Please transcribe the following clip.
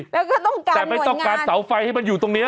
แล้วก็ต้องการแต่ไม่ต้องการเสาไฟให้มันอยู่ตรงนี้